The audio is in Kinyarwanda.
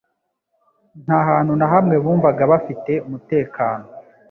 Nta hantu na hamwe bumvaga bafite umutekano.